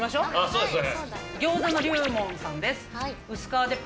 そうですね。